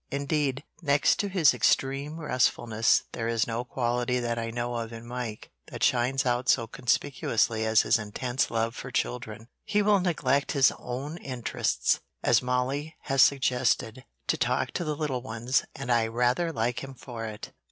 "Indeed, next to his extreme restfulness there is no quality that I know of in Mike that shines out so conspicuously as his intense love for children. He will neglect his own interests, as Mollie has suggested, to talk to the little ones, and I rather like him for it.